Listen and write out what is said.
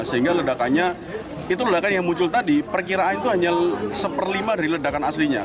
sehingga ledakannya itu ledakan yang muncul tadi perkiraan itu hanya satu per lima dari ledakan aslinya